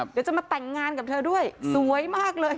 เดี๋ยวจะมาแต่งงานกับเธอด้วยสวยมากเลย